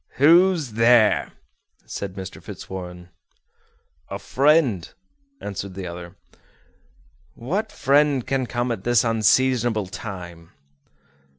"Who's there?" said Mr. Fitzwarren. "A friend," answered the other. "What friend can come at this unseasonable time?"